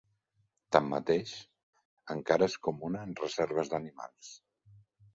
Tanmateix, encara és comuna en reserves d'animals.